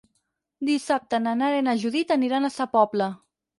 Dissabte na Nara i na Judit aniran a Sa Pobla.